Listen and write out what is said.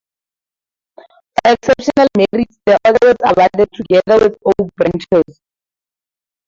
For exceptional merits the Order was awarded together with Oak Branches.